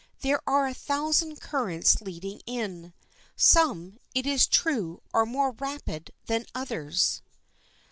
There are a thousand currents leading in. Some, it is true, are more rapid than others.